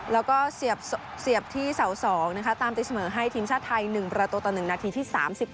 แล้วก็เสียบที่เสา๒นะคะตามตีเสมอให้ทีมชาติไทย๑ประตูต่อ๑นาทีที่๓๘